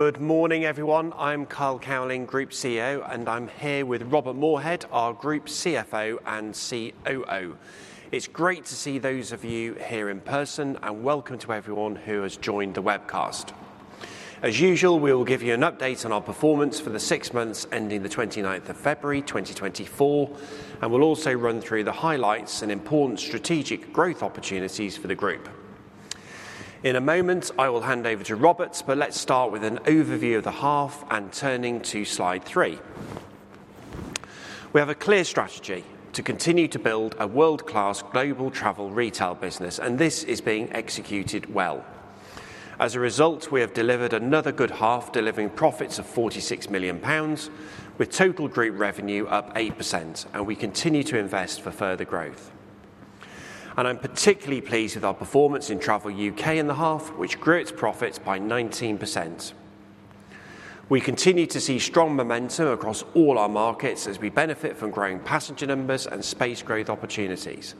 Good morning, everyone. I'm Carl Cowling, Group CEO, and I'm here with Robert Moorhead, our Group CFO and COO. It's great to see those of you here in person, and welcome to everyone who has joined the webcast. As usual, we will give you an update on our performance for the six months ending the 29th of February, 2024, and we'll also run through the highlights and important strategic growth opportunities for the group. In a moment, I will hand over to Robert, but let's start with an overview of the half and turning to Slide 3. We have a clear strategy to continue to build a world-class global travel retail business, and this is being executed well. As a result, we have delivered another good half, delivering profits of 46 million pounds, with total group revenue up 8%, and we continue to invest for further growth. I'm particularly pleased with our performance in Travel U.K. in the half, which grew its profits by 19%. We continue to see strong momentum across all our markets as we benefit from growing passenger numbers and space growth opportunities.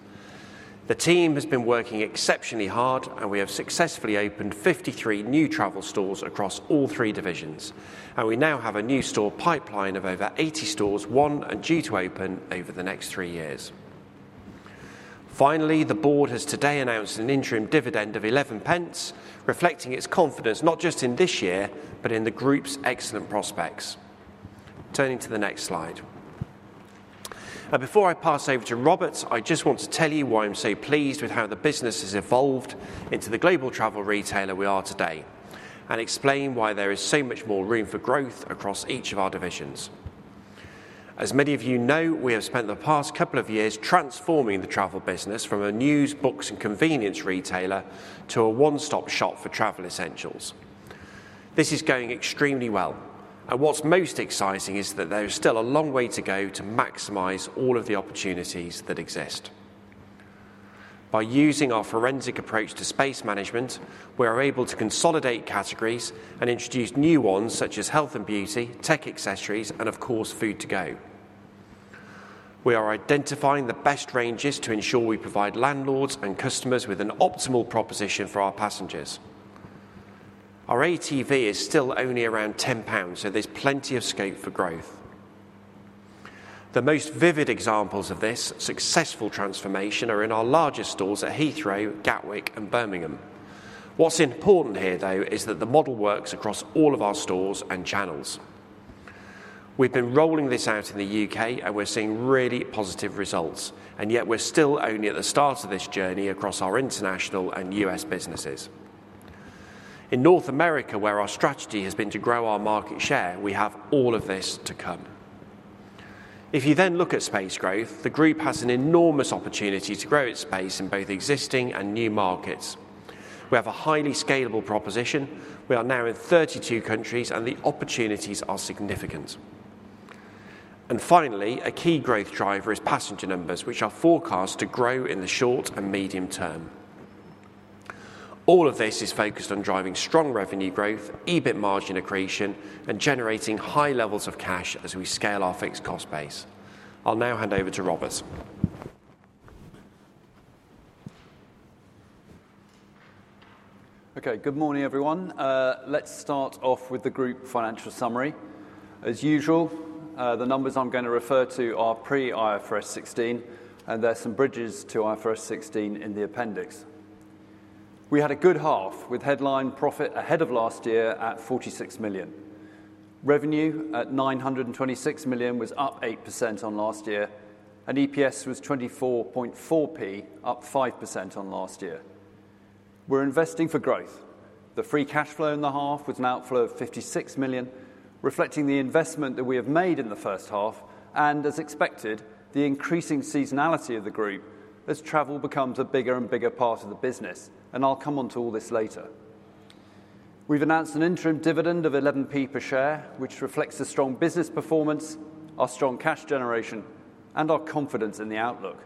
The team has been working exceptionally hard, and we have successfully opened 53 new travel stores across all three divisions, and we now have a new store pipeline of over 80 stores, won due to open over the next three years. Finally, the board has today announced an interim dividend of 0.11, reflecting its confidence not just in this year but in the group's excellent prospects. Turning to the next slide. Now, before I pass over to Robert, I just want to tell you why I'm so pleased with how the business has evolved into the global travel retailer we are today, and explain why there is so much more room for growth across each of our divisions. As many of you know, we have spent the past couple of years transforming the travel business from a news, books, and convenience retailer to a one-stop shop for travel essentials. This is going extremely well, and what's most exciting is that there is still a long way to go to maximize all of the opportunities that exist. By using our forensic approach to space management, we are able to consolidate categories and introduce new ones such as health and beauty, tech accessories, and of course, food to go. We are identifying the best ranges to ensure we provide landlords and customers with an optimal proposition for our passengers. Our ATV is still only around 10 pounds, so there's plenty of scope for growth. The most vivid examples of this successful transformation are in our largest stores at Heathrow, Gatwick, and Birmingham. What's important here, though, is that the model works across all of our stores and channels. We've been rolling this out in the U.K., and we're seeing really positive results, and yet we're still only at the start of this journey across our international and U.S. businesses. In North America, where our strategy has been to grow our market share, we have all of this to come. If you then look at space growth, the group has an enormous opportunity to grow its space in both existing and new markets. We have a highly scalable proposition. We are now in 32 countries, and the opportunities are significant. Finally, a key growth driver is passenger numbers, which are forecast to grow in the short and medium term. All of this is focused on driving strong revenue growth, EBIT margin accretion, and generating high levels of cash as we scale our fixed cost base. I'll now hand over to Robert. Okay. Good morning, everyone. Let's start off with the group financial summary. As usual, the numbers I'm going to refer to are pre-IFRS 16, and there are some bridges to IFRS 16 in the appendix. We had a good half with headline profit ahead of last year at 46 million. Revenue at 926 million was up 8% on last year, and EPS was 24.4p, up 5% on last year. We're investing for growth. The free cash flow in the half was an outflow of 56 million, reflecting the investment that we have made in the first half and, as expected, the increasing seasonality of the group as travel becomes a bigger and bigger part of the business, and I'll come onto all this later. We've announced an interim dividend of 11p per share, which reflects the strong business performance, our strong cash generation, and our confidence in the outlook.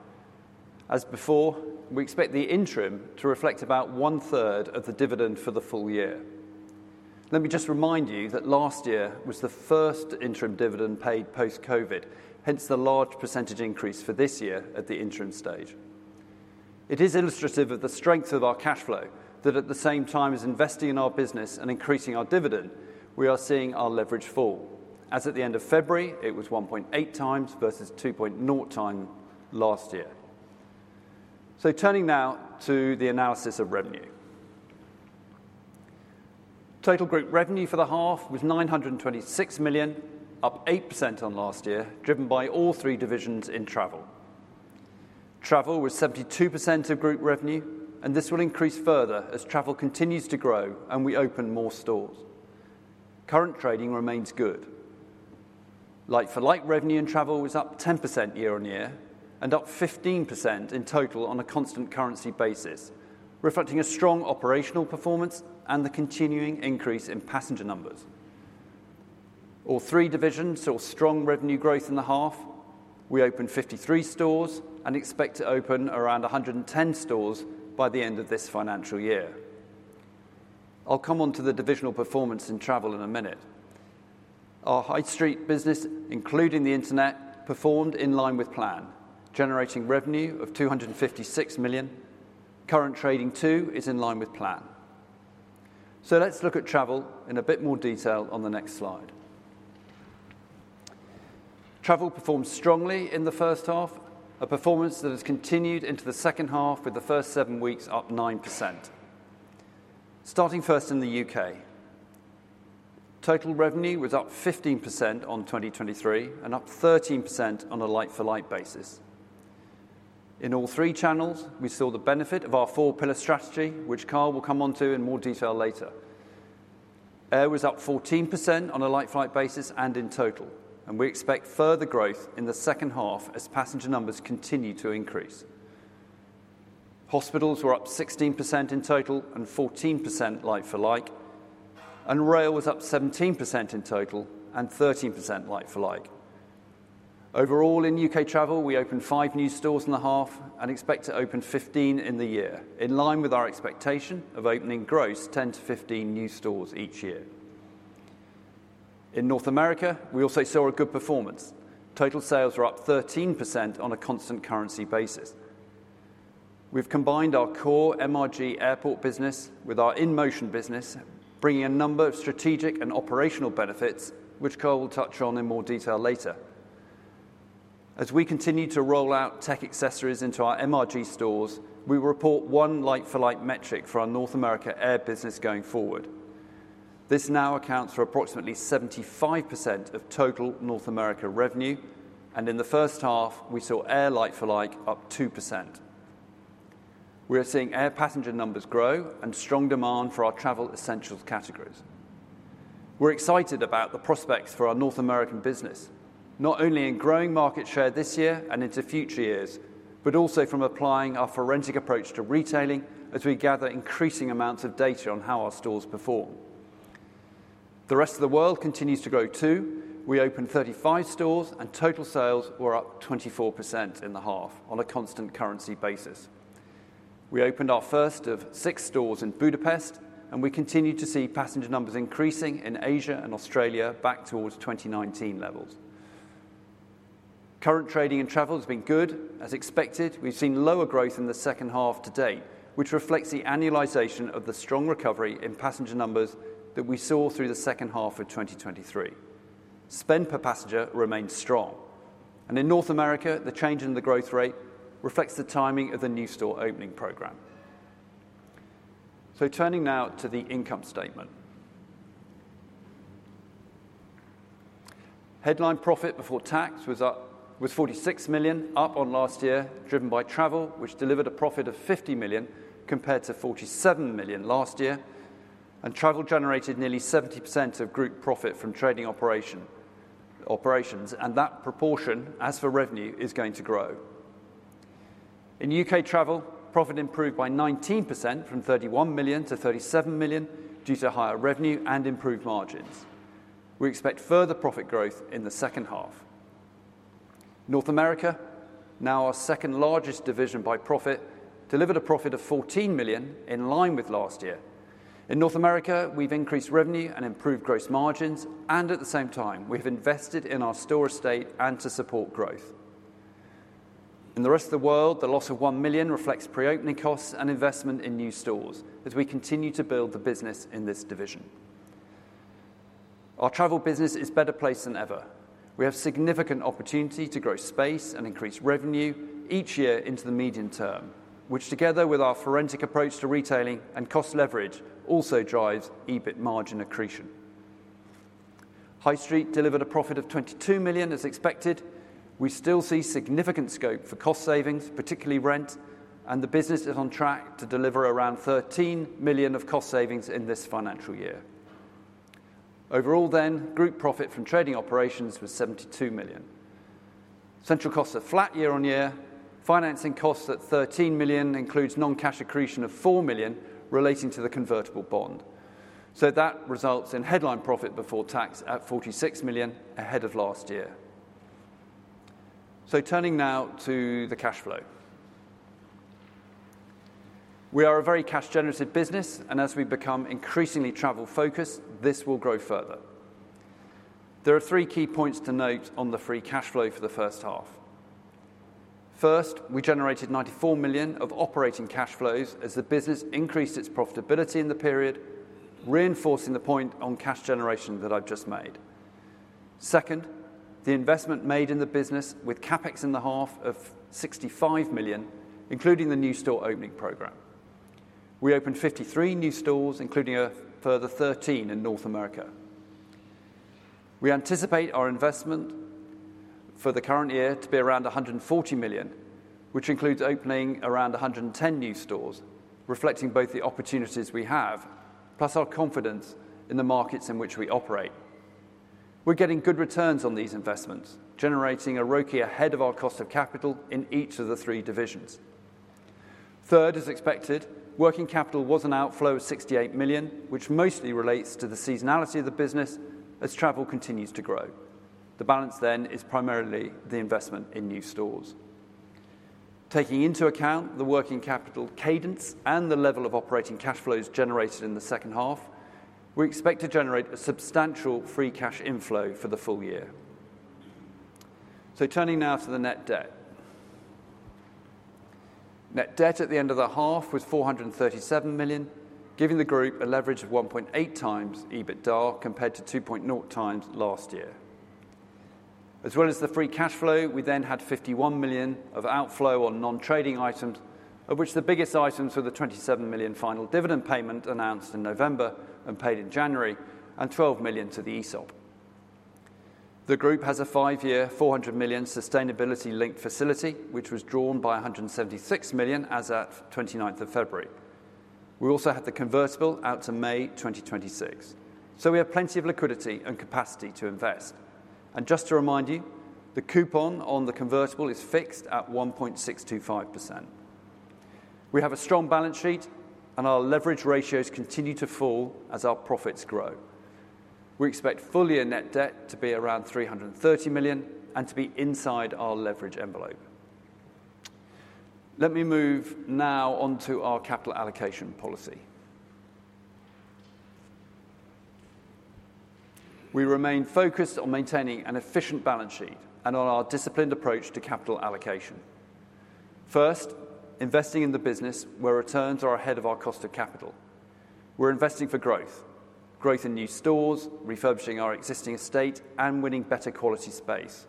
As before, we expect the interim to reflect about one-third of the dividend for the full year. Let me just remind you that last year was the first interim dividend paid post-COVID, hence the large percentage increase for this year at the interim stage. It is illustrative of the strength of our cash flow that, at the same time as investing in our business and increasing our dividend, we are seeing our leverage fall. As at the end of February, it was 1.8x versus 2.0x last year. So turning now to the analysis of revenue. Total group revenue for the half was 926 million, up 8% on last year, driven by all three divisions in travel. Travel was 72% of group revenue, and this will increase further as travel continues to grow and we open more stores. Current trading remains good. Like-for-like revenue in travel was up 10% year-on-year and up 15% in total on a constant currency basis, reflecting a strong operational performance and the continuing increase in passenger numbers. All three divisions saw strong revenue growth in the half. We opened 53 stores and expect to open around 110 stores by the end of this financial year. I'll come onto the divisional performance in travel in a minute. Our High Street business, including the internet, performed in line with plan, generating revenue of 256 million. Current trading too is in line with plan. Let's look at travel in a bit more detail on the next slide. Travel performed strongly in the first half, a performance that has continued into the second half with the first seven weeks up 9%. Starting first in the U.K., total revenue was up 15% on 2023 and up 13% on a like-for-like basis. In all three channels, we saw the benefit of our four-pillar strategy, which Carl will come onto in more detail later. Air was up 14% on a like-for-like basis and in total, and we expect further growth in the second half as passenger numbers continue to increase. Hospitals were up 16% in total and 14% like-for-like, and rail was up 17% in total and 13% like-for-like. Overall, in U.K. travel, we opened five new stores in the half and expect to open 15 in the year, in line with our expectation of opening gross 10-15 new stores each year. In North America, we also saw a good performance. Total sales were up 13% on a constant currency basis. We've combined our core MRG airport business with our InMotion business, bringing a number of strategic and operational benefits, which Carl will touch on in more detail later. As we continue to roll out tech accessories into our MRG stores, we will report one like-for-like metric for our North America air business going forward. This now accounts for approximately 75% of total North America revenue, and in the first half, we saw air like-for-like up 2%. We are seeing air passenger numbers grow and strong demand for our travel essentials categories. We're excited about the prospects for our North American business, not only in growing market share this year and into future years, but also from applying our forensic approach to retailing as we gather increasing amounts of data on how our stores perform. The rest of the world continues to grow too. We opened 35 stores, and total sales were up 24% in the half on a constant currency basis. We opened our first of six stores in Budapest, and we continue to see passenger numbers increasing in Asia and Australia back towards 2019 levels. Current trading and travel has been good. As expected, we've seen lower growth in the second half to date, which reflects the annualization of the strong recovery in passenger numbers that we saw through the second half of 2023. Spend per passenger remains strong. And in North America, the change in the growth rate reflects the timing of the new store opening program. So turning now to the income statement. Headline profit before tax was up was 46 million, up on last year, driven by travel, which delivered a profit of 50 million compared to 47 million last year. Travel generated nearly 70% of group profit from trading operations. That proportion, as for revenue, is going to grow. In U.K. travel, profit improved by 19% from 31 million to 37 million due to higher revenue and improved margins. We expect further profit growth in the second half. North America, now our second largest division by profit, delivered a profit of 14 million in line with last year. In North America, we've increased revenue and improved gross margins, and at the same time, we have invested in our store estate and to support growth. In the rest of the world, the loss of 1 million reflects pre-opening costs and investment in new stores as we continue to build the business in this division. Our travel business is better placed than ever. We have significant opportunity to grow space and increase revenue each year into the medium term, which together with our forensic approach to retailing and cost leverage also drives EBIT margin accretion. High Street delivered a profit of 22 million as expected. We still see significant scope for cost savings, particularly rent, and the business is on track to deliver around 13 million of cost savings in this financial year. Overall then, group profit from trading operations was 72 million. Central costs are flat year-on-year. Financing costs at 13 million include non-cash accretion of 4 million relating to the convertible bond. So that results in headline profit before tax at 46 million ahead of last year. So turning now to the cash flow. We are a very cash-generative business, and as we become increasingly travel-focused, this will grow further. There are three key points to note on the free cash flow for the first half. First, we generated 94 million of operating cash flows as the business increased its profitability in the period, reinforcing the point on cash generation that I've just made. Second, the investment made in the business with CapEx in the half of 65 million, including the new store opening program. We opened 53 new stores, including a further 13 in North America. We anticipate our investment for the current year to be around 140 million, which includes opening around 110 new stores, reflecting both the opportunities we have plus our confidence in the markets in which we operate. We're getting good returns on these investments, generating a ROCI ahead of our cost of capital in each of the three divisions. Third, as expected, working capital was an outflow of 68 million, which mostly relates to the seasonality of the business as travel continues to grow. The balance then is primarily the investment in new stores. Taking into account the working capital cadence and the level of operating cash flows generated in the second half, we expect to generate a substantial free cash inflow for the full year. Turning now to the net debt. Net debt at the end of the half was 437 million, giving the group a leverage of 1.8x EBITDA compared to 2.0x last year. As well as the free cash flow, we then had 51 million of outflow on non-trading items, of which the biggest items were the 27 million final dividend payment announced in November and paid in January and 12 million to the ESOP. The group has a five-year, 400 million sustainability-linked facility, which was drawn by 176 million as of 29th of February. We also had the convertible out to May 2026. So we have plenty of liquidity and capacity to invest. And just to remind you, the coupon on the convertible is fixed at 1.625%. We have a strong balance sheet, and our leverage ratios continue to fall as our profits grow. We expect full-year net debt to be around 330 million and to be inside our leverage envelope. Let me move now onto our capital allocation policy. We remain focused on maintaining an efficient balance sheet and on our disciplined approach to capital allocation. First, investing in the business where returns are ahead of our cost of capital. We're investing for growth, growth in new stores, refurbishing our existing estate, and winning better quality space.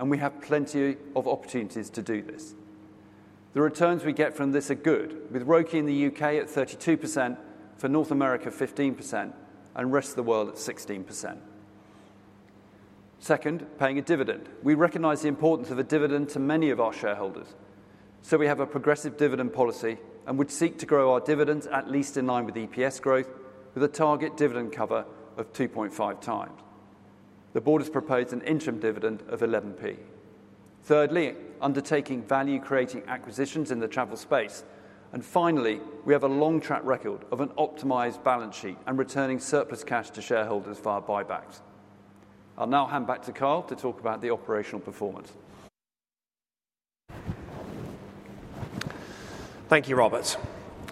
We have plenty of opportunities to do this. The returns we get from this are good, with ROCI in the U.K. at 32%, for North America 15%, and the rest of the world at 16%. Second, paying a dividend. We recognize the importance of a dividend to many of our shareholders. So we have a progressive dividend policy and would seek to grow our dividends at least in line with EPS growth, with a target dividend cover of 2.5x. The board has proposed an interim dividend of 11p. Thirdly, undertaking value-creating acquisitions in the travel space. And finally, we have a long track record of an optimized balance sheet and returning surplus cash to shareholders via buybacks. I'll now hand back to Carl to talk about the operational performance. Thank you, Robert.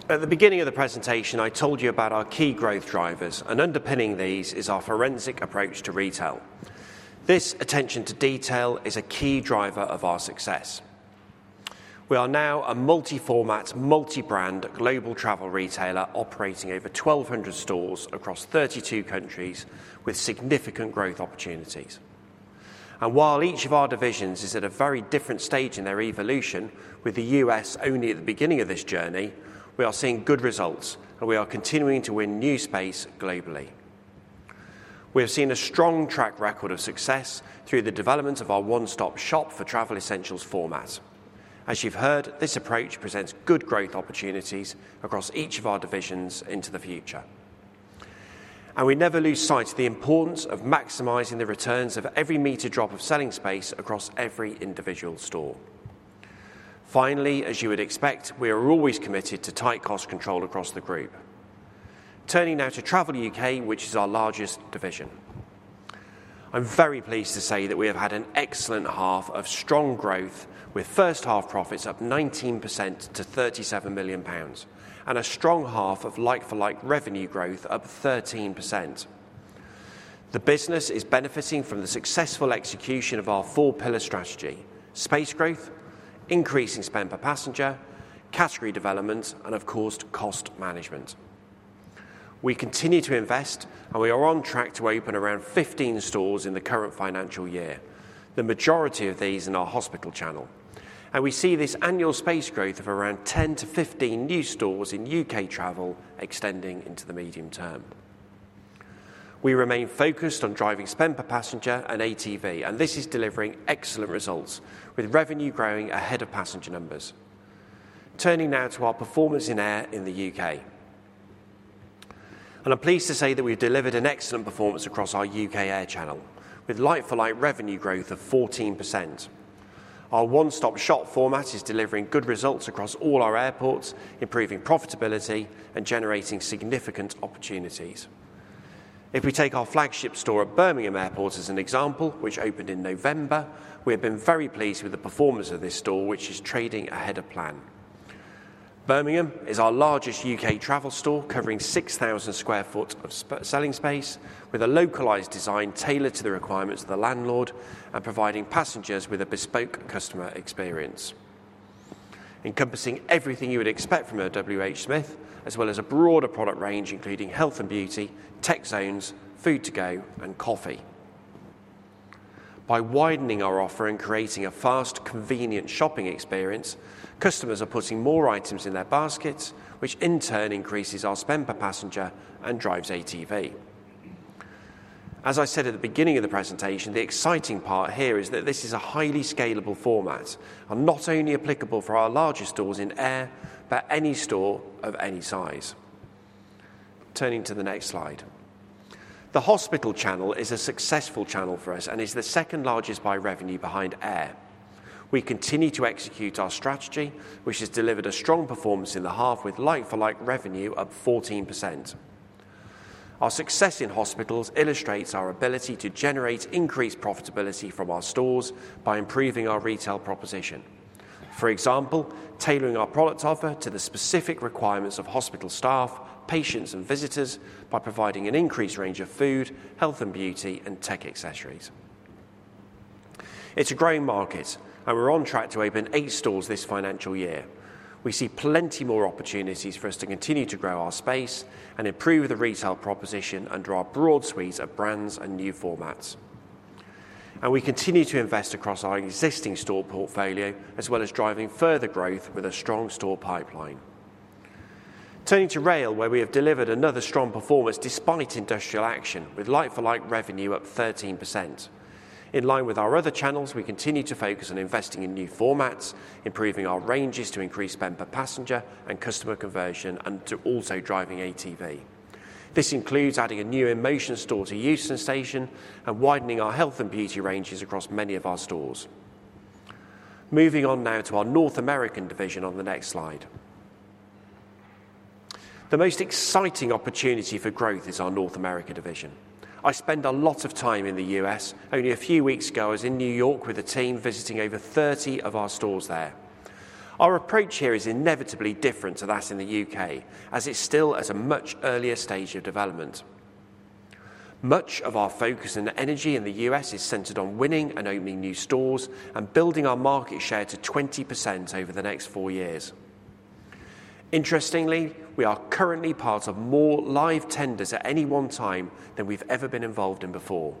At the beginning of the presentation, I told you about our key growth drivers, and underpinning these is our forensic approach to retail. This attention to detail is a key driver of our success. We are now a multi-format, multi-brand, global travel retailer operating over 1,200 stores across 32 countries with significant growth opportunities. While each of our divisions is at a very different stage in their evolution, with the U.S. only at the beginning of this journey, we are seeing good results, and we are continuing to win new space globally. We have seen a strong track record of success through the development of our one-stop shop for travel essentials format. As you've heard, this approach presents good growth opportunities across each of our divisions into the future. And we never lose sight of the importance of maximizing the returns of every meter drop of selling space across every individual store. Finally, as you would expect, we are always committed to tight cost control across the group. Turning now to Travel U.K., which is our largest division. I'm very pleased to say that we have had an excellent half of strong growth, with first-half profits up 19% to 37 million pounds and a strong half of like-for-like revenue growth up 13%. The business is benefiting from the successful execution of our four-pillar strategy: space growth, increasing spend per passenger, category development, and, of course, cost management. We continue to invest, and we are on track to open around 15 stores in the current financial year, the majority of these in our hospital channel. We see this annual space growth of around 10-15 new stores in U.K. travel extending into the medium term. We remain focused on driving spend per passenger and ATV, and this is delivering excellent results, with revenue growing ahead of passenger numbers. Turning now to our performance in air in the U.K. I'm pleased to say that we've delivered an excellent performance across our U.K. air channel, with Like-for-like revenue growth of 14%. Our one-stop shop format is delivering good results across all our airports, improving profitability and generating significant opportunities. If we take our flagship store at Birmingham Airport as an example, which opened in November, we have been very pleased with the performance of this store, which is trading ahead of plan. Birmingham is our largest U.K. travel store, covering 6,000 sq ft of selling space, with a localized design tailored to the requirements of the landlord and providing passengers with a bespoke customer experience. Encompassing everything you would expect from a WH Smith, as well as a broader product range including health and beauty, tech zones, food to go, and coffee. By widening our offer and creating a fast, convenient shopping experience, customers are putting more items in their baskets, which in turn increases our spend per passenger and drives ATV. As I said at the beginning of the presentation, the exciting part here is that this is a highly scalable format and not only applicable for our largest stores in air, but any store of any size. Turning to the next slide. The hospital channel is a successful channel for us and is the second largest by revenue behind air. We continue to execute our strategy, which has delivered a strong performance in the half with like-for-like revenue of 14%. Our success in hospitals illustrates our ability to generate increased profitability from our stores by improving our retail proposition. For example, tailoring our product offer to the specific requirements of hospital staff, patients, and visitors by providing an increased range of food, health and beauty, and tech accessories. It's a growing market, and we're on track to open eight stores this financial year. We see plenty more opportunities for us to continue to grow our space and improve the retail proposition under our broad suite of brands and new formats. We continue to invest across our existing store portfolio, as well as driving further growth with a strong store pipeline. Turning to rail, where we have delivered another strong performance despite industrial action, with like-for-like revenue up 13%. In line with our other channels, we continue to focus on investing in new formats, improving our ranges to increase spend per passenger and customer conversion, and to also driving ATV. This includes adding a new InMotion store to Euston Station and widening our health and beauty ranges across many of our stores. Moving on now to our North American division on the next slide. The most exciting opportunity for growth is our North America division. I spend a lot of time in the U.S. Only a few weeks ago, I was in New York with a team visiting over 30 of our stores there. Our approach here is inevitably different to that in the U.K., as it's still at a much earlier stage of development. Much of our focus and energy in the U.S. is centered on winning and opening new stores and building our market share to 20% over the next four years. Interestingly, we are currently part of more live tenders at any one time than we've ever been involved in before.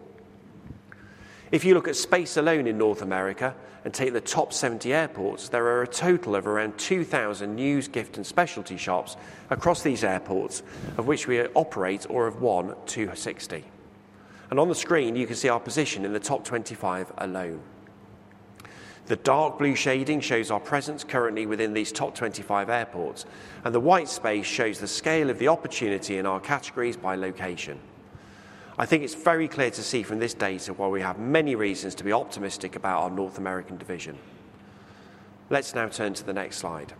If you look at space alone in North America and take the top 70 airports, there are a total of around 2,000 news, gift, and specialty shops across these airports, of which we operate or have won 260. And on the screen, you can see our position in the top 25 alone. The dark blue shading shows our presence currently within these top 25 airports, and the white space shows the scale of the opportunity in our categories by location. I think it's very clear to see from this data why we have many reasons to be optimistic about our North American division. Let's now turn to the next slide.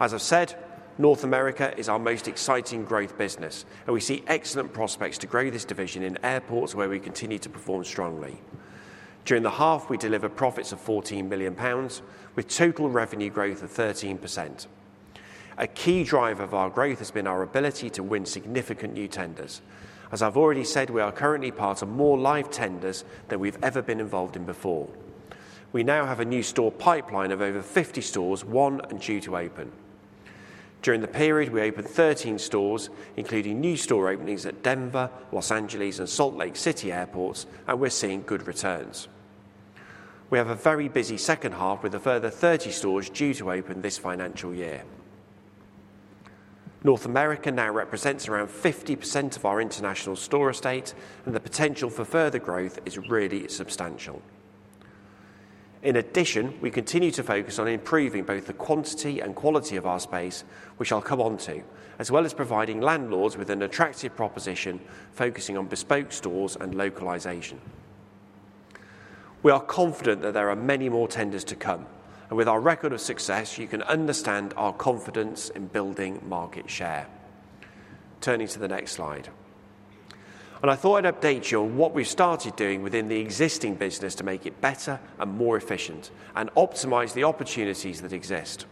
As I've said, North America is our most exciting growth business, and we see excellent prospects to grow this division in airports where we continue to perform strongly. During the half, we deliver profits of 14 million pounds, with total revenue growth of 13%. A key driver of our growth has been our ability to win significant new tenders. As I've already said, we are currently part of more live tenders than we've ever been involved in before. We now have a new store pipeline of over 50 stores, one due to open. During the period, we opened 13 stores, including new store openings at Denver, Los Angeles, and Salt Lake City airports, and we're seeing good returns. We have a very busy second half with a further 30 stores due to open this financial year. North America now represents around 50% of our international store estate, and the potential for further growth is really substantial. In addition, we continue to focus on improving both the quantity and quality of our space, which I'll come on to, as well as providing landlords with an attractive proposition focusing on bespoke stores and localization. We are confident that there are many more tenders to come, and with our record of success, you can understand our confidence in building market share. Turning to the next slide. I thought I'd update you on what we've started doing within the existing business to make it better and more efficient and optimize the opportunities that exist.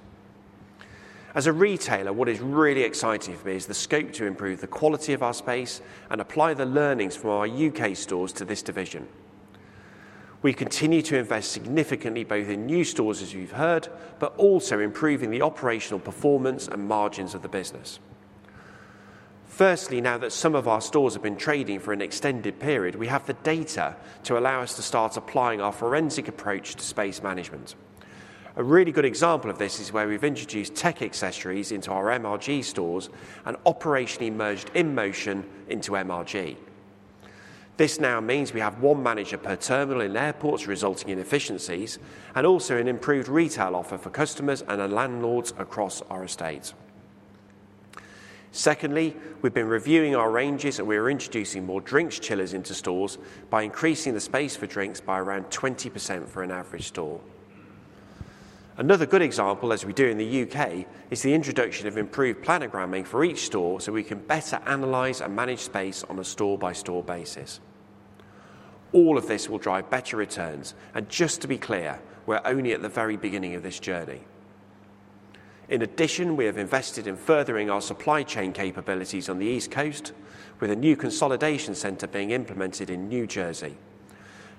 As a retailer, what is really exciting for me is the scope to improve the quality of our space and apply the learnings from our U.K. stores to this division. We continue to invest significantly both in new stores, as you've heard, but also improving the operational performance and margins of the business. Firstly, now that some of our stores have been trading for an extended period, we have the data to allow us to start applying our forensic approach to space management. A really good example of this is where we've introduced tech accessories into our MRG stores and operationally merged InMotion into MRG. This now means we have one manager per terminal in airports, resulting in efficiencies and also an improved retail offer for customers and landlords across our estate. Secondly, we've been reviewing our ranges, and we are introducing more drinks chillers into stores by increasing the space for drinks by around 20% for an average store. Another good example, as we do in the U.K., is the introduction of improved planogramming for each store so we can better analyze and manage space on a store-by-store basis. All of this will drive better returns, and just to be clear, we're only at the very beginning of this journey. In addition, we have invested in furthering our supply chain capabilities on the East Coast, with a new consolidation center being implemented in New Jersey.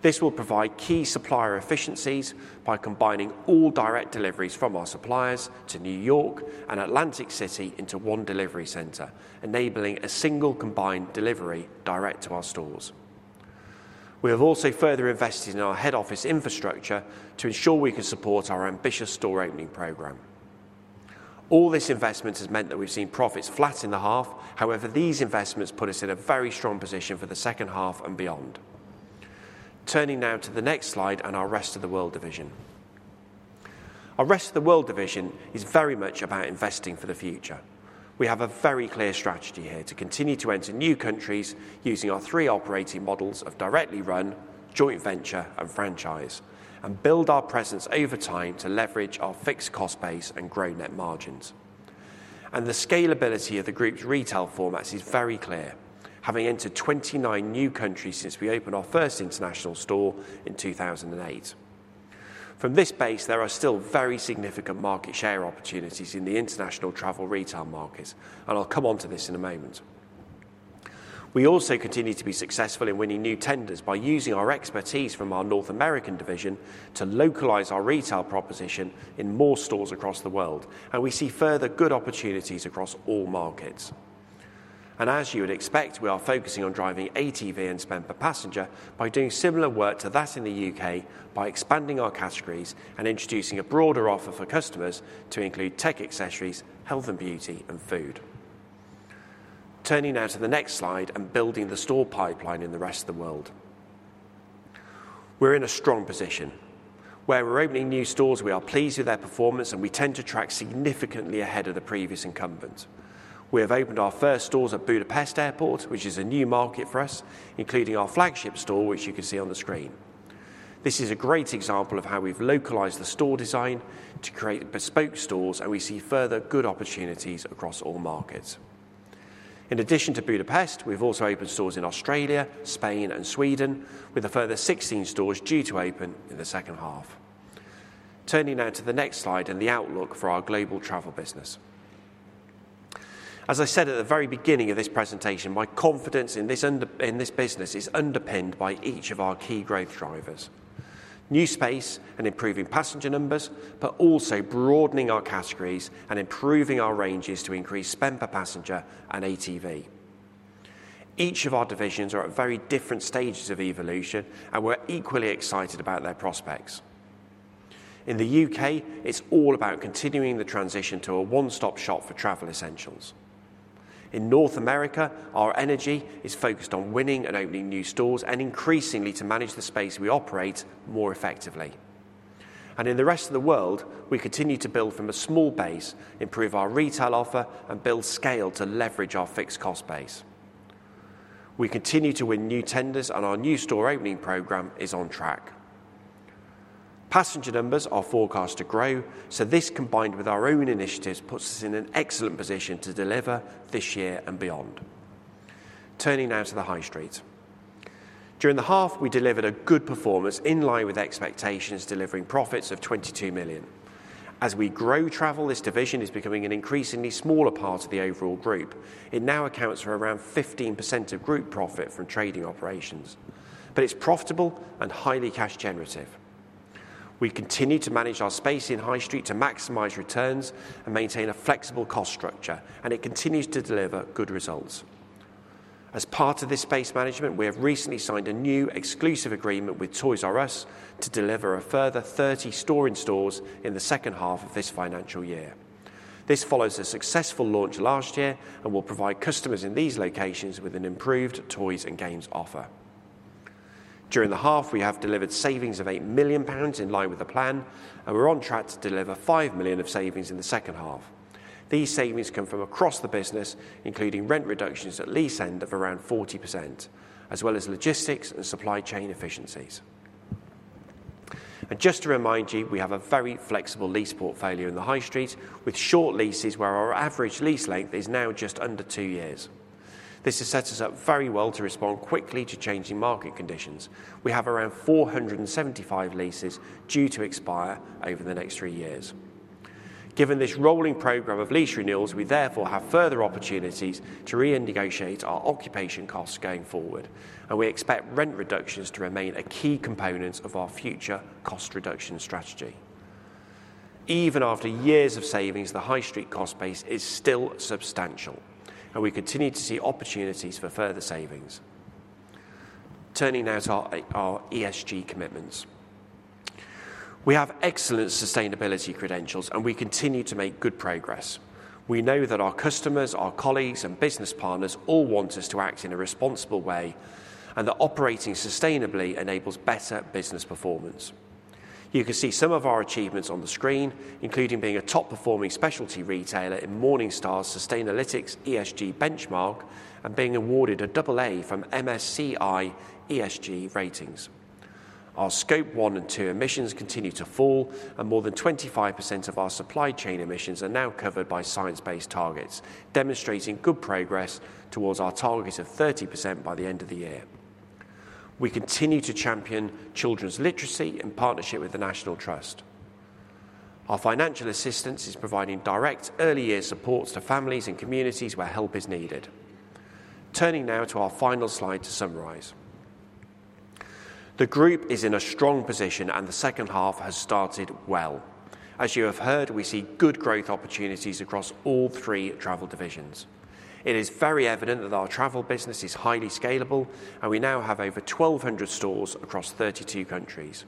This will provide key supplier efficiencies by combining all direct deliveries from our suppliers to New York and Atlantic City into one delivery center, enabling a single combined delivery direct to our stores. We have also further invested in our head office infrastructure to ensure we can support our ambitious store opening program. All this investment has meant that we've seen profits flat in the half; however, these investments put us in a very strong position for the second half and beyond. Turning now to the next slide and our rest of the world division. Our rest of the world division is very much about investing for the future. We have a very clear strategy here to continue to enter new countries using our three operating models of directly run, joint venture, and franchise, and build our presence over time to leverage our fixed cost base and grow net margins. The scalability of the group's retail formats is very clear, having entered 29 new countries since we opened our first international store in 2008. From this base, there are still very significant market share opportunities in the international travel retail markets, and I'll come on to this in a moment. We also continue to be successful in winning new tenders by using our expertise from our North American division to localize our retail proposition in more stores across the world, and we see further good opportunities across all markets. And as you would expect, we are focusing on driving ATV and spend per passenger by doing similar work to that in the U.K. by expanding our categories and introducing a broader offer for customers to include tech accessories, health and beauty, and food. Turning now to the next slide and building the store pipeline in the rest of the world. We're in a strong position. Where we're opening new stores, we are pleased with their performance, and we tend to track significantly ahead of the previous incumbents. We have opened our first stores at Budapest Airport, which is a new market for us, including our flagship store, which you can see on the screen. This is a great example of how we've localized the store design to create bespoke stores, and we see further good opportunities across all markets. In addition to Budapest, we've also opened stores in Australia, Spain, and Sweden, with a further 16 stores due to open in the second half. Turning now to the next slide and the outlook for our global travel business. As I said at the very beginning of this presentation, my confidence in this business is underpinned by each of our key growth drivers: new space and improving passenger numbers, but also broadening our categories and improving our ranges to increase spend per passenger and ATV. Each of our divisions are at very different stages of evolution, and we're equally excited about their prospects. In the U.K., it's all about continuing the transition to a one-stop shop for travel essentials. In North America, our energy is focused on winning and opening new stores and increasingly to manage the space we operate more effectively. And in the rest of the world, we continue to build from a small base, improve our retail offer, and build scale to leverage our fixed cost base. We continue to win new tenders, and our new store opening program is on track. Passenger numbers are forecast to grow, so this, combined with our own initiatives, puts us in an excellent position to deliver this year and beyond. Turning now to the high street. During the half, we delivered a good performance in line with expectations, delivering profits of 22 million. As we grow travel, this division is becoming an increasingly smaller part of the overall group. It now accounts for around 15% of group profit from trading operations, but it's profitable and highly cash generative. We continue to manage our space in high street to maximize returns and maintain a flexible cost structure, and it continues to deliver good results. As part of this space management, we have recently signed a new exclusive agreement with Toys "R" Us to deliver a further 30 store-in-stores in the second half of this financial year. This follows a successful launch last year and will provide customers in these locations with an improved toys and games offer. During the half, we have delivered savings of 8 million pounds in line with the plan, and we're on track to deliver 5 million of savings in the second half. These savings come from across the business, including rent reductions at lease end of around 40%, as well as logistics and supply chain efficiencies. Just to remind you, we have a very flexible lease portfolio in the high street, with short leases where our average lease length is now just under two years. This has set us up very well to respond quickly to changing market conditions. We have around 475 leases due to expire over the next three years. Given this rolling program of lease renewals, we therefore have further opportunities to renegotiate our occupation costs going forward, and we expect rent reductions to remain a key component of our future cost reduction strategy. Even after years of savings, the high street cost base is still substantial, and we continue to see opportunities for further savings. Turning now to our ESG commitments. We have excellent sustainability credentials, and we continue to make good progress. We know that our customers, our colleagues, and business partners all want us to act in a responsible way, and that operating sustainably enables better business performance. You can see some of our achievements on the screen, including being a top-performing specialty retailer in Morningstar Sustainalytics ESG benchmark and being awarded a double A from MSCI ESG ratings. Our Scope One and Two emissions continue to fall, and more than 25% of our supply chain emissions are now covered by science-based targets, demonstrating good progress towards our target of 30% by the end of the year. We continue to champion children's literacy in partnership with the National Literacy Trust. Our financial assistance is providing direct early-year supports to families and communities where help is needed. Turning now to our final slide to summarize. The group is in a strong position, and the second half has started well. As you have heard, we see good growth opportunities across all three travel divisions. It is very evident that our travel business is highly scalable, and we now have over 1,200 stores across 32 countries.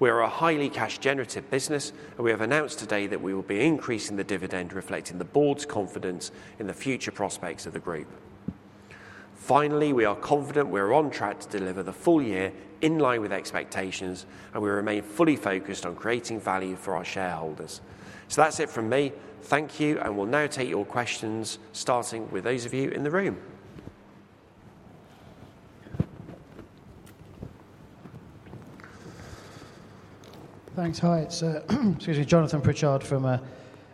We are a highly cash-generative business, and we have announced today that we will be increasing the dividend reflecting the board's confidence in the future prospects of the group. Finally, we are confident we are on track to deliver the full year in line with expectations, and we remain fully focused on creating value for our shareholders. So that's it from me. Thank you, and we'll now take your questions, starting with those of you in the room. Thanks. Hi. Excuse me, Jonathan Pritchard from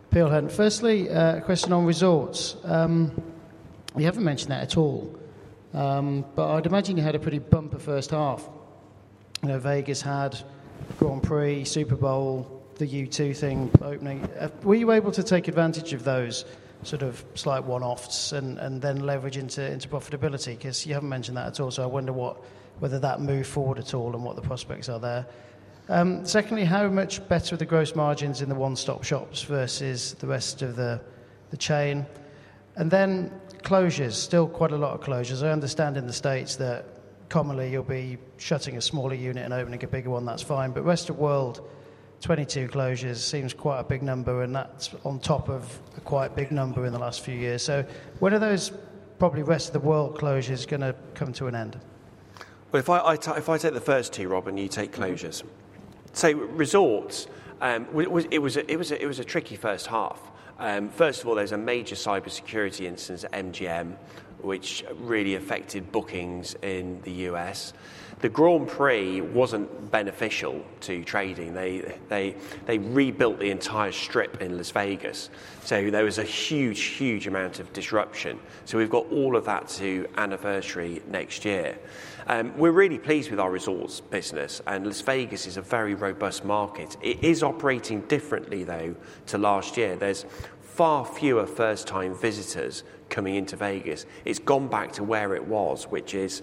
Peel Hunt. Firstly, a question on resorts. You haven't mentioned that at all, but I'd imagine you had a pretty bumper first half. Vegas had Grand Prix, Super Bowl, the U2 thing opening. Were you able to take advantage of those sort of slight one-offs and then leverage into profitability? Because you haven't mentioned that at all, so I wonder whether that moved forward at all and what the prospects are there. Secondly, how much better the gross margins in the one-stop shops versus the rest of the chain? And then closures, still quite a lot of closures. I understand in the States that commonly you'll be shutting a smaller unit and opening a bigger one. That's fine. But rest of world, 22 closures seems quite a big number, and that's on top of a quite big number in the last few years. So when are those probably rest of the world closures going to come to an end? Well, if I take the first two, Rob, and you take closures. Say, resorts, it was a tricky first half. First of all, there's a major cybersecurity incident at MGM, which really affected bookings in the U.S. The Grand Prix wasn't beneficial to trading. They rebuilt the entire strip in Las Vegas. So there was a huge, huge amount of disruption. So we've got all of that to anniversary next year. We're really pleased with our resorts business, and Las Vegas is a very robust market. It is operating differently, though, to last year. There's far fewer first-time visitors coming into Vegas. It's gone back to where it was, which is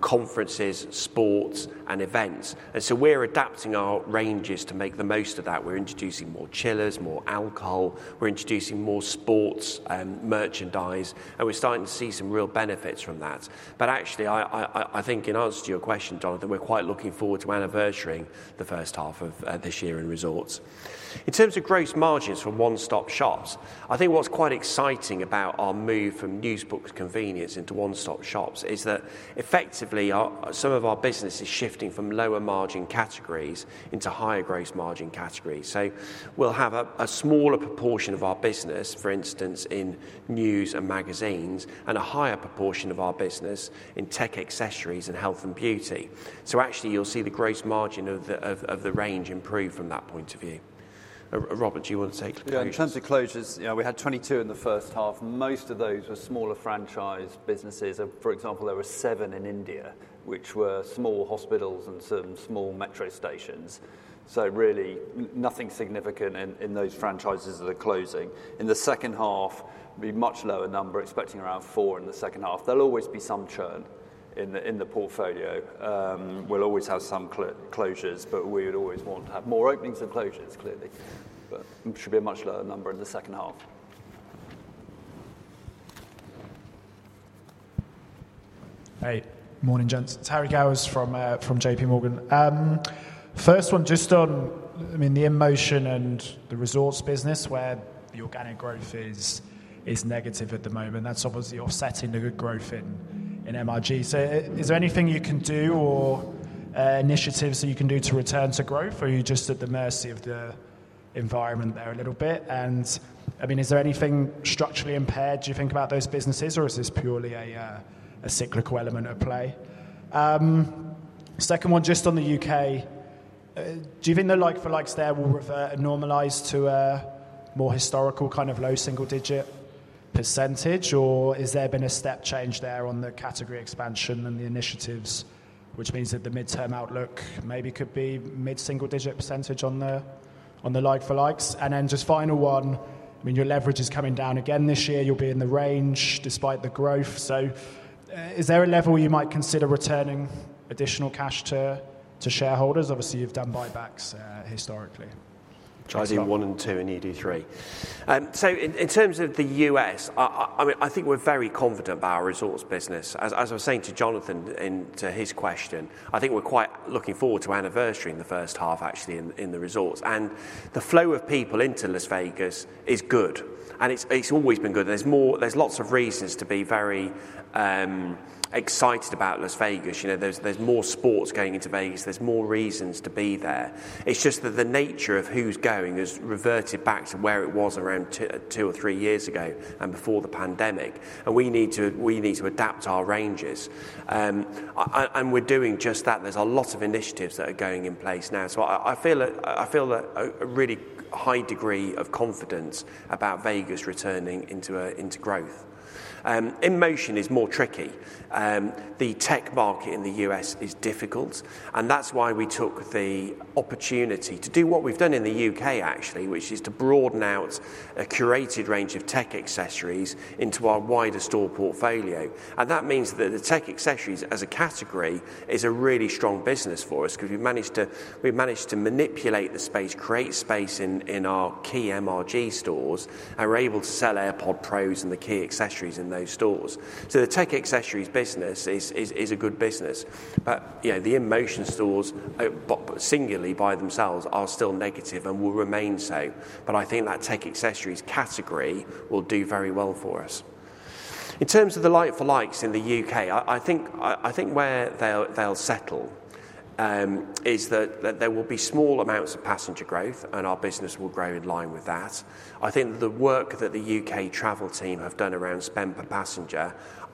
conferences, sports, and events. And so we're adapting our ranges to make the most of that. We're introducing more chillers, more alcohol. We're introducing more sports merchandise, and we're starting to see some real benefits from that. But actually, I think in answer to your question, Jonathan, we're quite looking forward to anniversarying the first half of this year in resorts. In terms of gross margins for one-stop shops, I think what's quite exciting about our move from news, books, convenience into one-stop shops is that effectively, some of our business is shifting from lower margin categories into higher gross margin categories. So we'll have a smaller proportion of our business, for instance, in news and magazines, and a higher proportion of our business in tech accessories and health and beauty. So actually, you'll see the gross margin of the range improve from that point of view. Robert, do you want to take the closures? Yeah. In terms of closures, we had 22 in the first half. Most of those were smaller franchise businesses. For example, there were seven in India, which were small hospitals and some small metro stations. So really, nothing significant in those franchises that are closing. In the second half, it'd be a much lower number, expecting around four in the second half. There'll always be some churn in the portfolio. We'll always have some closures, but we would always want to have more openings than closures, clearly. But it should be a much lower number in the second half. Hey. Morning, gents. Harry Gowers from J.P. Morgan. First one, just on the InMotion and the resorts business where the organic growth is negative at the moment. That's obviously offsetting the good growth in MRG. So is there anything you can do or initiatives that you can do to return to growth, or are you just at the mercy of the environment there a little bit? And is there anything structurally impaired, do you think, about those businesses, or is this purely a cyclical element at play? Second one, just on the U.K., do you think the like for likes there will revert and normalise to a more historical kind of low single-digit percentage, or has there been a step change there on the category expansion and the initiatives, which means that the mid-term outlook maybe could be mid-single-digit percentage on the like for likes? And then just final one, your leverage is coming down again this year. You'll be in the range despite the growth. So is there a level you might consider returning additional cash to shareholders? Obviously, you've done buybacks historically. I see one and two and you do three. So in terms of the U.S., I think we're very confident about our resorts business. As I was saying to Jonathan to his question, I think we're quite looking forward to anniversarying the first half, actually, in the resorts. And the flow of people into Las Vegas is good, and it's always been good. There's lots of reasons to be very excited about Las Vegas. There's more sports going into Vegas. There's more reasons to be there. It's just that the nature of who's going has reverted back to where it was around two or three years ago and before the pandemic. And we need to adapt our ranges. And we're doing just that. There's a lot of initiatives that are going in place now. So I feel a really high degree of confidence about Vegas returning into growth. InMotion is more tricky. The tech market in the U.S. is difficult, and that's why we took the opportunity to do what we've done in the U.K., actually, which is to broaden out a curated range of tech accessories into our wider store portfolio. That means that the tech accessories as a category is a really strong business for us because we've managed to manipulate the space, create space in our key MRG stores, and we're able to sell AirPods Pro and the key accessories in those stores. The tech accessories business is a good business. The InMotion stores, singularly by themselves, are still negative and will remain so. I think that tech accessories category will do very well for us. In terms of the like-for-likes in the U.K., I think where they'll settle is that there will be small amounts of passenger growth, and our business will grow in line with that. I think that the work that the U.K. travel team have done around spend per passenger,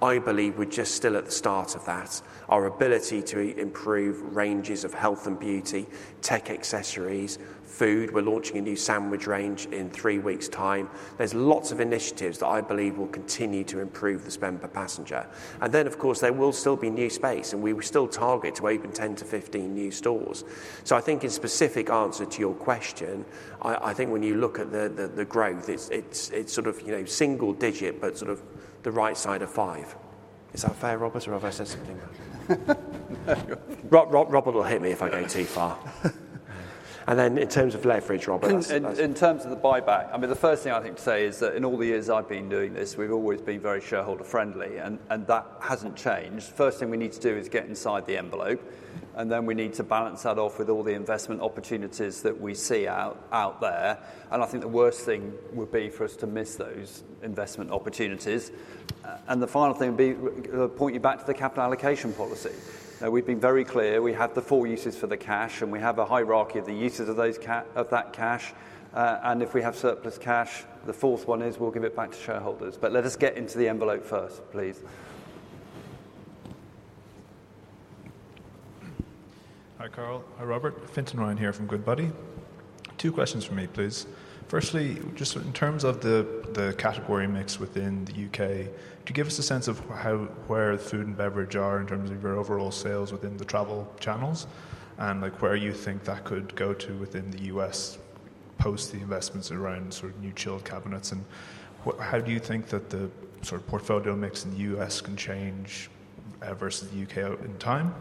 I believe, we're just still at the start of that. Our ability to improve ranges of health and beauty, tech accessories, food. We're launching a new sandwich range in three weeks' time. There's lots of initiatives that I believe will continue to improve the spend per passenger. And then, of course, there will still be new space, and we will still target to open 10-15 new stores. So I think in specific answer to your question, I think when you look at the growth, it's sort of single-digit but sort of the right side of five. Is that fair, Robert, or have I said something wrong? No. Robert will hit me if I go too far. And then in terms of leverage, Robert. In terms of the buyback, the first thing I think to say is that in all the years I've been doing this, we've always been very shareholder-friendly, and that hasn't changed. First thing we need to do is get inside the envelope, and then we need to balance that off with all the investment opportunities that we see out there. I think the worst thing would be for us to miss those investment opportunities. The final thing would be to point you back to the capital allocation policy. We've been very clear. We have the four uses for the cash, and we have a hierarchy of the uses of that cash. If we have surplus cash, the fourth one is we'll give it back to shareholders. Let us get into the envelope first, please. Hi, Carl. Hi, Robert. Fintan Ryan here from Goodbody. Two questions for me, please. Firstly, just in terms of the category mix within the U.K., could you give us a sense of where the food and beverage are in terms of your overall sales within the travel channels and where you think that could go to within the U.S. post the investments around sort of new chilled cabinets? And how do you think that the sort of portfolio mix in the U.S. can change versus the U.K. in time?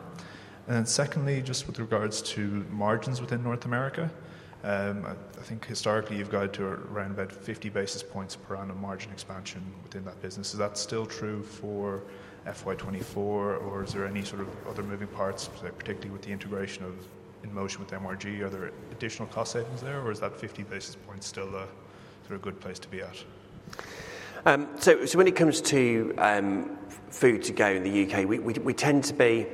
And then secondly, just with regards to margins within North America, I think historically, you've got to around about 50 basis points per annum margin expansion within that business. Is that still true for FY 2024, or is there any sort of other moving parts, particularly with the integration of InMotion with MRG? Are there additional cost savings there, or is that 50 basis points still a good place to be at? When it comes to food to go in the U.K., we tend to be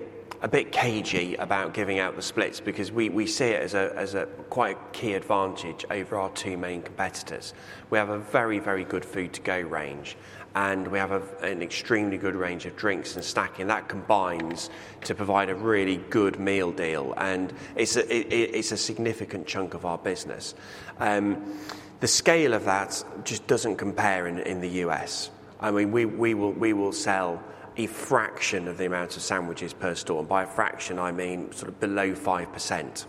a bit cagey about giving out the splits because we see it as quite a key advantage over our two main competitors. We have a very, very good food to go range, and we have an extremely good range of drinks and snacking. That combines to provide a really good meal deal, and it's a significant chunk of our business. The scale of that just doesn't compare in the U.S. We will sell a fraction of the amount of sandwiches per store. And by a fraction, I mean sort of below 5%.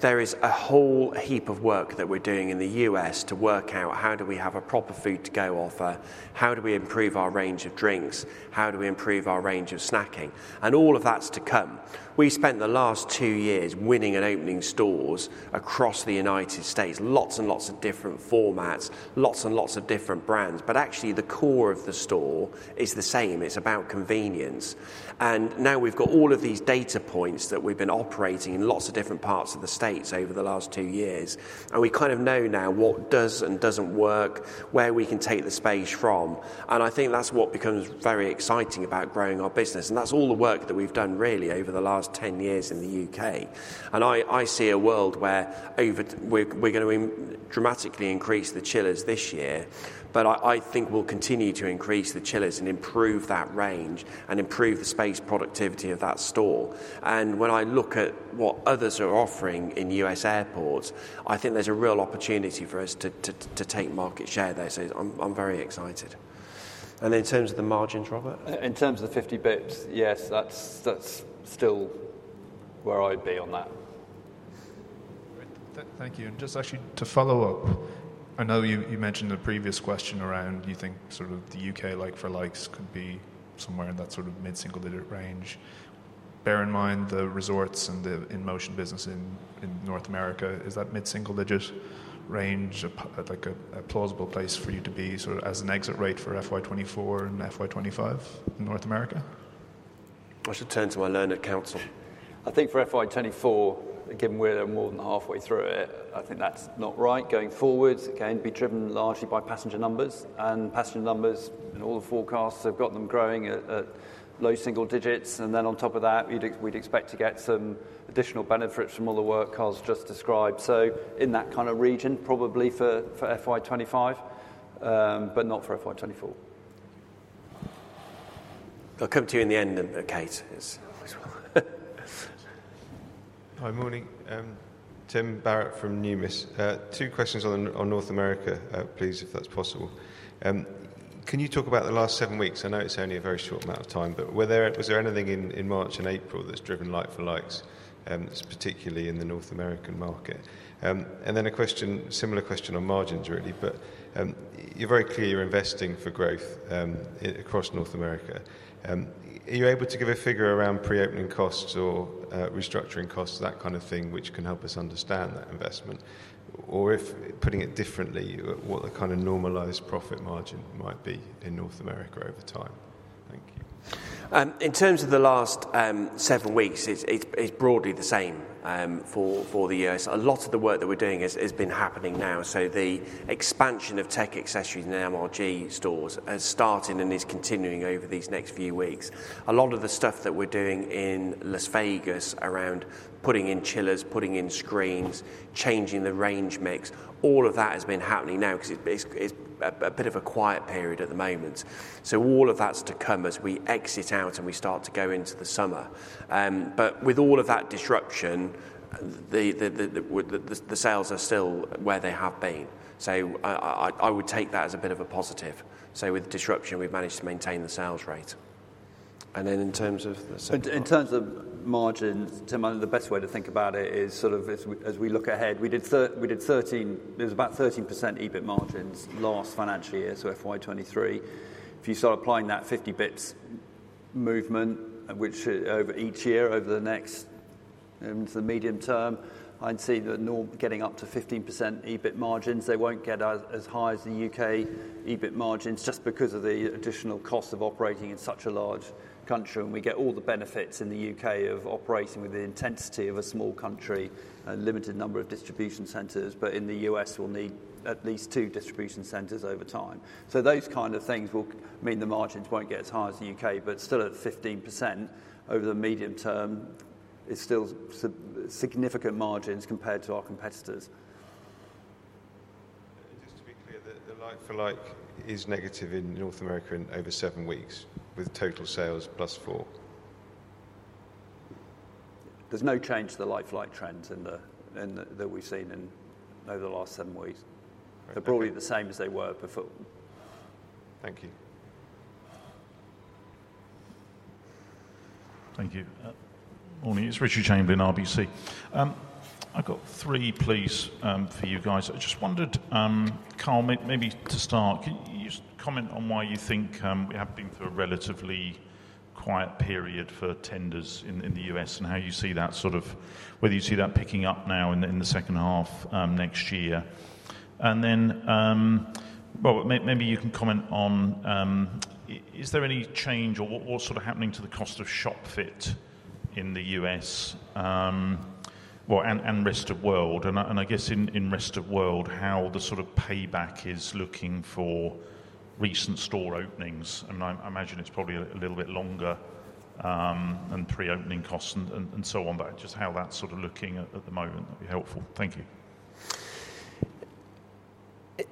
There is a whole heap of work that we're doing in the U.S. to work out how do we have a proper food to go offer, how do we improve our range of drinks, how do we improve our range of snacking. All of that's to come. We spent the last two years winning and opening stores across the United States, lots and lots of different formats, lots and lots of different brands. But actually, the core of the store is the same. It's about convenience. And now we've got all of these data points that we've been operating in lots of different parts of the States over the last two years. And we kind of know now what does and doesn't work, where we can take the space from. And I think that's what becomes very exciting about growing our business. And that's all the work that we've done, really, over the last 10 years in the U.K. I see a world where we're going to dramatically increase the chillers this year, but I think we'll continue to increase the chillers and improve that range and improve the space productivity of that store. And when I look at what others are offering in U.S. airports, I think there's a real opportunity for us to take market share there. So I'm very excited. And in terms of the margins, Robert? In terms of the 50 basis points, yes, that's still where I'd be on that. Thank you. Just actually to follow up, I know you mentioned the previous question around you think sort of the U.K. like-for-likes could be somewhere in that sort of mid-single-digit range. Bear in mind the resorts and the InMotion business in North America. Is that mid-single-digit range a plausible place for you to be sort of as an exit rate for FY 2024 and FY 2025 in North America? I should turn to my learner counsel. I think for FY 2024, given we're more than halfway through it, I think that's not right. Going forward, it can be driven largely by passenger numbers. Passenger numbers in all the forecasts have got them growing at low single digits. Then on top of that, we'd expect to get some additional benefits from all the work Carl's just described. So in that kind of region, probably for FY 2025, but not for FY 2024. I'll come to you in the end, Kate. It's always well. Hi, morning. Tim Barrett from Numis. Two questions on North America, please, if that's possible. Can you talk about the last seven weeks? I know it's only a very short amount of time, but was there anything in March and April that's driven like-for-likes, particularly in the North American market? And then a similar question on margins, really, but you're very clear you're investing for growth across North America. Are you able to give a figure around pre-opening costs or restructuring costs, that kind of thing, which can help us understand that investment? Or, if putting it differently, what the kind of normalized profit margin might be in North America over time? Thank you. In terms of the last seven weeks, it's broadly the same for the U.S. A lot of the work that we're doing has been happening now. So the expansion of tech accessories in MRG stores has started and is continuing over these next few weeks. A lot of the stuff that we're doing in Las Vegas around putting in chillers, putting in screens, changing the range mix, all of that has been happening now because it's a bit of a quiet period at the moment. So all of that's to come as we exit out and we start to go into the summer. But with all of that disruption, the sales are still where they have been. So I would take that as a bit of a positive. So with disruption, we've managed to maintain the sales rate. And then in terms of the- In terms of margins, Tim, I think the best way to think about it is sort of as we look ahead, we did 13%, there was about 13% EBIT margins last financial year to FY 2023. If you start applying that 50 bps movement, which over each year over the next to the medium term, I'd see that getting up to 15% EBIT margins, they won't get as high as the U.K. EBIT margins just because of the additional cost of operating in such a large country. And we get all the benefits in the U.K. of operating with the intensity of a small country and limited number of distribution centers, but in the U.S., we'll need at least two distribution centers over time. So those kind of things will mean the margins won't get as high as the U.K., but still at 15% over the medium term, it's still significant margins compared to our competitors. Just to be clear, the like-for-like is negative in North America in over seven weeks with total sales +4%. There's no change to the like-for-like trends that we've seen over the last seven weeks. They're broadly the same as they were before. Thank you. Thank you. Morning. It's Richard Chamberlain, RBC. I've got three, please, for you guys. I just wondered, Carl, maybe to start, can you just comment on why you think we have been through a relatively quiet period for tenders in the U.S. and how you see that sort of whether you see that picking up now in the second half next year. And then, well, maybe you can comment on is there any change or what's sort of happening to the cost of shop fit in the U.S. and rest of world? And I guess in rest of world, how the sort of payback is looking for recent store openings. And I imagine it's probably a little bit longer than pre-opening costs and so on, but just how that's sort of looking at the moment that would be helpful. Thank you.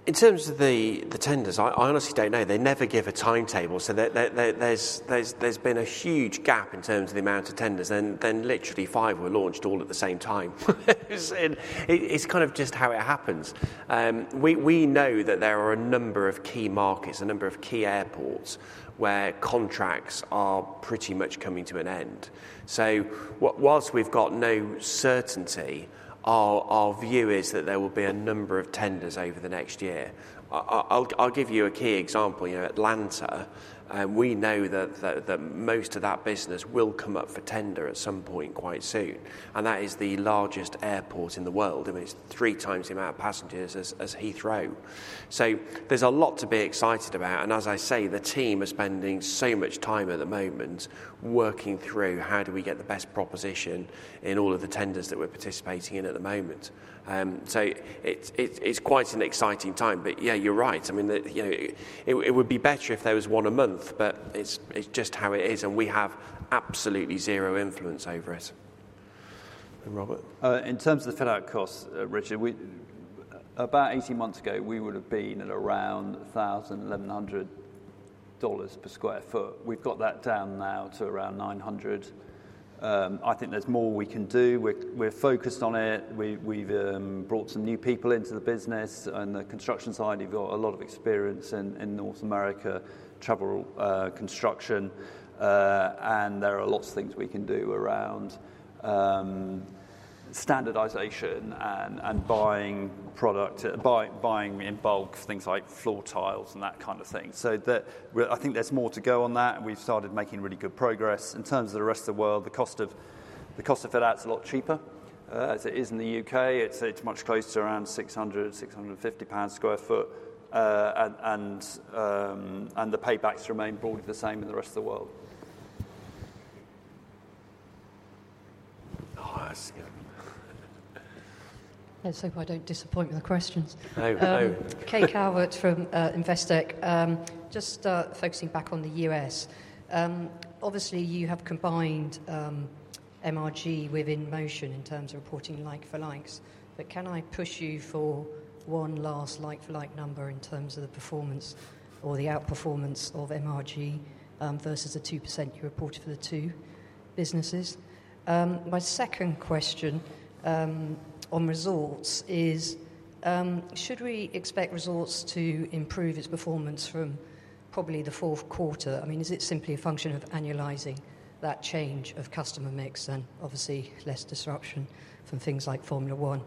In terms of the tenders, I honestly don't know. They never give a timetable. So there's been a huge gap in terms of the amount of tenders. Then literally five were launched all at the same time. It's kind of just how it happens. We know that there are a number of key markets, a number of key airports where contracts are pretty much coming to an end. So whilst we've got no certainty, our view is that there will be a number of tenders over the next year. I'll give you a key example. Atlanta, we know that most of that business will come up for tender at some point quite soon. And that is the largest airport in the world. It's three times the amount of passengers as Heathrow. So there's a lot to be excited about. As I say, the team are spending so much time at the moment working through how do we get the best proposition in all of the tenders that we're participating in at the moment. So it's quite an exciting time. But yeah, you're right. It would be better if there was one a month, but it's just how it is. And we have absolutely zero influence over it. And Robert? In terms of the fit-out costs, Richard, about 18 months ago, we would have been at around $1,100 per sq ft. We've got that down now to around $900. I think there's more we can do. We're focused on it. We've brought some new people into the business. On the construction side, you've got a lot of experience in North America, travel construction. And there are lots of things we can do around standardization and buying product, buying in bulk, things like floor tiles and that kind of thing. So I think there's more to go on that. We've started making really good progress. In terms of the rest of the world, the cost of fit-out is a lot cheaper as it is in the U.K. It's much closer to around 600-650 pounds per sq ft. The paybacks remain broadly the same in the rest of the world. If I don't disappoint with the questions. Hello. Hello. Kate Calvert from Investec. Just focusing back on the U.S. Obviously, you have combined MRG with InMotion in terms of reporting like-for-like. But can I push you for one last like-for-like number in terms of the performance or the outperformance of MRG versus the 2% you reported for the two businesses? My second question on results is, should we expect results to improve its performance from probably the fourth quarter? Is it simply a function of annualizing that change of customer mix and obviously less disruption from things like Formula One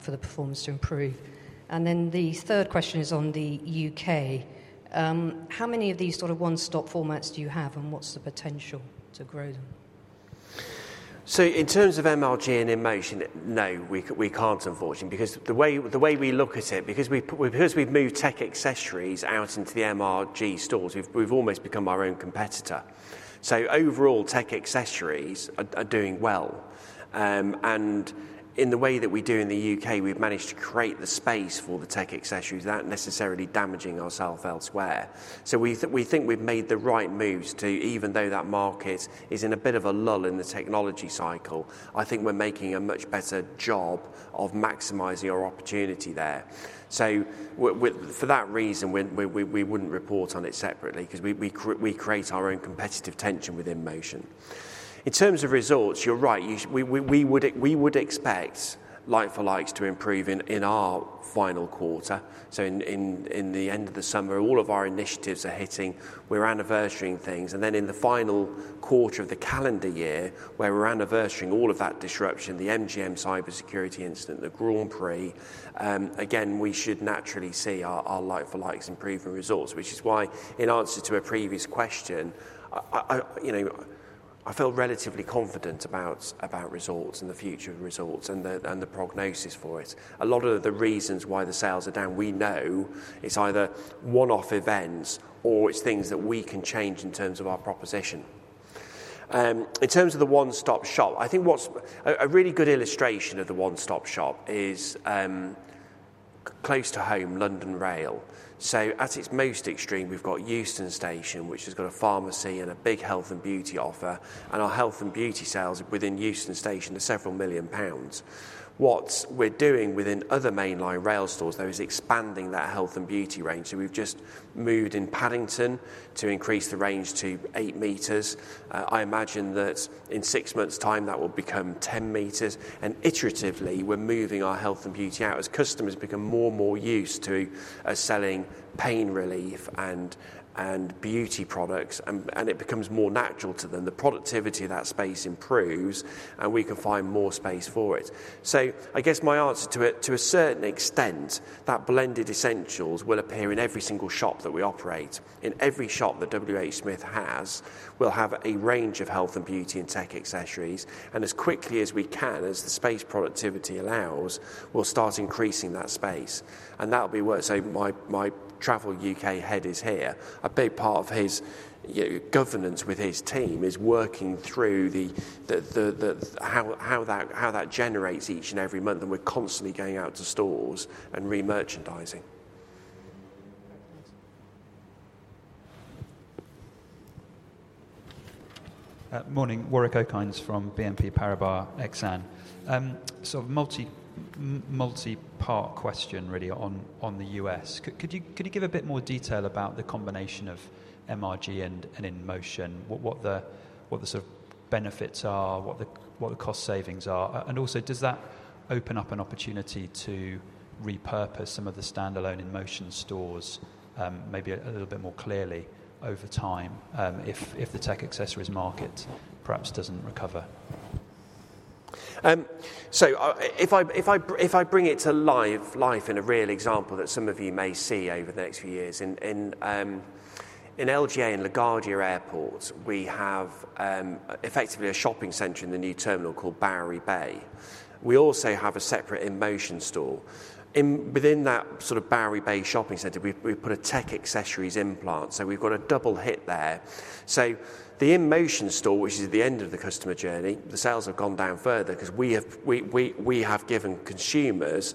for the performance to improve? And then the third question is on the U.K. How many of these sort of one-stop formats do you have, and what's the potential to grow them? So in terms of MRG and InMotion, no, we can't, unfortunately, because the way we look at it, because we've moved tech accessories out into the MRG stores, we've almost become our own competitor. So overall, tech accessories are doing well. And in the way that we do in the U.K., we've managed to create the space for the tech accessories without necessarily damaging ourselves elsewhere. So we think we've made the right moves to, even though that market is in a bit of a lull in the technology cycle, I think we're making a much better job of maximizing our opportunity there. So for that reason, we wouldn't report on it separately because we create our own competitive tension with InMotion. In terms of results, you're right. We would expect like for likes to improve in our final quarter. So in the end of the summer, all of our initiatives are hitting. We're anniversarying things. And then in the final quarter of the calendar year, where we're anniversarying all of that disruption, the MGM cybersecurity incident, the Grand Prix, again, we should naturally see our like-for-likes improve in results, which is why, in answer to a previous question, I feel relatively confident about results and the future of results and the prognosis for it. A lot of the reasons why the sales are down, we know it's either one-off events or it's things that we can change in terms of our proposition. In terms of the one-stop shop, I think a really good illustration of the one-stop shop is close to home, London Rail. So at its most extreme, we've got Euston Station, which has got a pharmacy and a big health and beauty offer. Our health and beauty sales within Euston Station are several million GBP. What we're doing within other mainline rail stores, though, is expanding that health and beauty range. So we've just moved in Paddington to increase the range to 8 meters. I imagine that in six months' time, that will become 10 meters. And iteratively, we're moving our health and beauty out as customers become more and more used to selling pain relief and beauty products. And it becomes more natural to them. The productivity of that space improves, and we can find more space for it. So I guess my answer to it, to a certain extent, that blended essentials will appear in every single shop that we operate. In every shop that WHSmith has, we'll have a range of health and beauty and tech accessories. As quickly as we can, as the space productivity allows, we'll start increasing that space. That'll be worked. My Travel U.K. head is here. A big part of his governance with his team is working through how that generates each and every month. We're constantly going out to stores and remerchandising. Morning. Warwick Okines from BNP Paribas Exane. Sort of multi-part question, really, on the U.S. Could you give a bit more detail about the combination of MRG and InMotion, what the sort of benefits are, what the cost savings are? And also, does that open up an opportunity to repurpose some of the standalone InMotion stores, maybe a little bit more clearly over time if the tech accessories market perhaps doesn't recover? So if I bring it to life in a real example that some of you may see over the next few years, in LGA and LaGuardia Airports, we have effectively a shopping center in the new terminal called Barry Bay. We also have a separate InMotion store. Within that sort of Barry Bay shopping center, we've put a tech accessories implant. So we've got a double hit there. So the InMotion store, which is at the end of the customer journey, the sales have gone down further because we have given consumers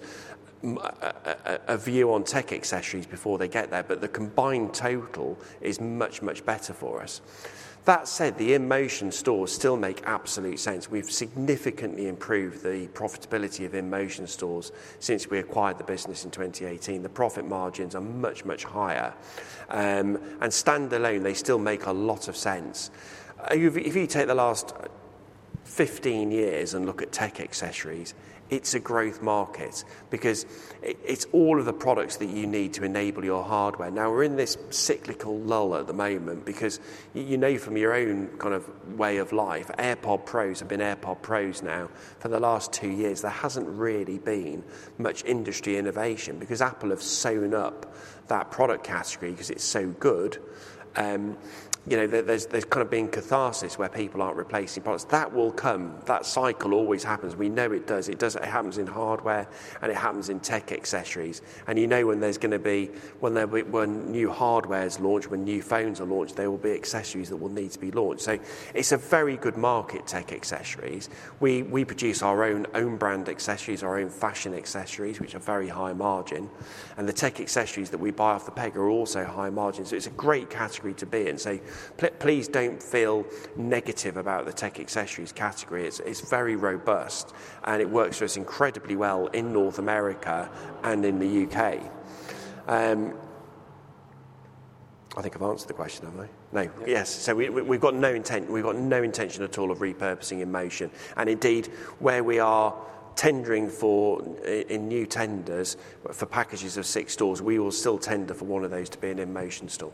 a view on tech accessories before they get there. But the combined total is much, much better for us. That said, the InMotion stores still make absolute sense. We've significantly improved the profitability of InMotion stores since we acquired the business in 2018. The profit margins are much, much higher. Standalone, they still make a lot of sense. If you take the last 15 years and look at tech accessories, it's a growth market because it's all of the products that you need to enable your hardware. Now, we're in this cyclical lull at the moment because you know from your own kind of way of life, AirPods Pro have been AirPods Pro now for the last two years. There hasn't really been much industry innovation because Apple have sewn up that product category because it's so good. There's kind of been catharsis where people aren't replacing products. That will come. That cycle always happens. We know it does. It happens in hardware, and it happens in tech accessories. And you know when there's going to be new hardware is launched, when new phones are launched, there will be accessories that will need to be launched. So it's a very good market, tech accessories. We produce our own brand accessories, our own fashion accessories, which are very high margin. And the tech accessories that we buy off the peg are also high margin. So it's a great category to be in. So please don't feel negative about the tech accessories category. It's very robust, and it works for us incredibly well in North America and in the U.K. I think I've answered the question, haven't I? No. Yes. So we've got no intention at all of repurposing InMotion. And indeed, where we are tendering in new tenders for packages of six stores, we will still tender for one of those to be an InMotion store.